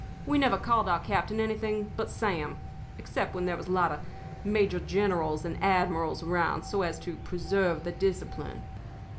We never called our captain anything but 'Sam' except when there was a lot of major generals and admirals around, so as to preserve the discipline.